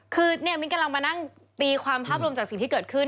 คือเนี่ยมิ้นกำลังมานั่งตีความภาพรวมจากสิ่งที่เกิดขึ้น